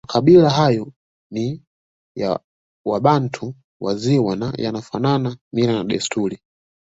Makabila hayo ni ya Wabantu wa Ziwa na yanafanana mila na desturi